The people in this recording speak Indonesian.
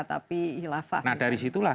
tapi hilafah nah dari situlah